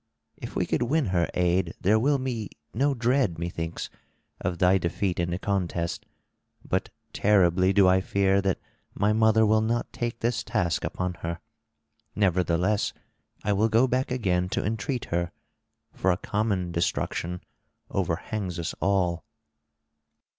If we could win her aid there will be no dread, methinks, of thy defeat in the contest; but terribly do I fear that my mother will not take this task upon her. Nevertheless I will go back again to entreat her, for a common destruction overhangs us all."